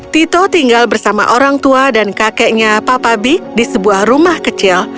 tito tinggal bersama orang tua dan kakeknya papa big di sebuah rumah kecil